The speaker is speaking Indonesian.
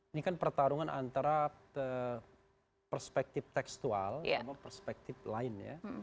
ini kan pertarungan antara perspektif tekstual sama perspektif lain ya